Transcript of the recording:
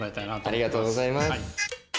ありがとうございます。